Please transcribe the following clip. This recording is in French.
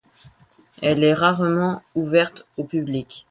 Elle est rarement ouverte au public.